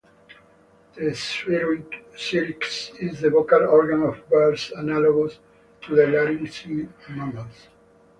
The syrinx is the vocal organ of birds, analogous to the larynx in mammals.